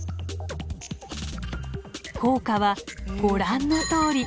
効果はご覧のとおり。